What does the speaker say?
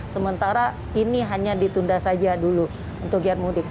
sementara ini hanya ditunda saja dulu untuk giat mudik